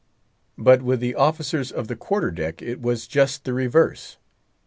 But with the officers of the quarter deck it was just the reverse.